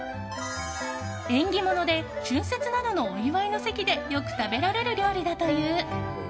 縁起物で春節などのお祝いの席でよく食べられる料理だという。